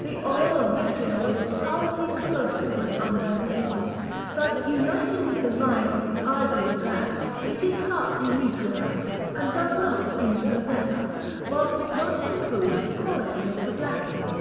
The oil of vitriol is powerfully corrosive when undiluted, but uniting with the lime of the ivory black, it is partly neutralized, and does not injure the leather, whilst it much improves the quality of the blacking.